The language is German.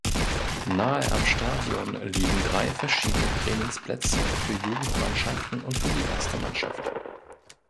Nahe am Stadion liegen drei verschiedene Trainingsplätze für Jugendmannschaften und für die erste Mannschaft.